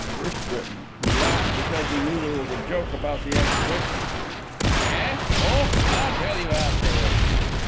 FIRST B. (who laughed because he knew there was a joke about the Exhibition). Eh? oh! I'll tell you afterwards.